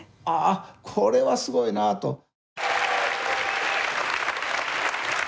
ああこれはすごいなと。